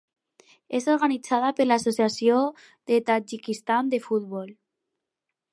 És organitzada per l'Associació de Tadjikistan de futbol.